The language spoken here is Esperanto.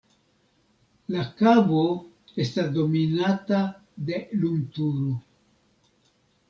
La kabo estas dominata de lumturo.